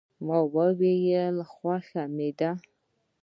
ما وویل، خوښه مې ده.